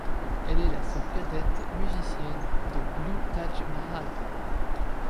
Elle est la sœur cadette du musicien de blues Taj Mahal.